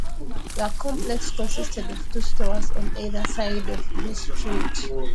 The complex consisted of two stores on either side of Bay Street.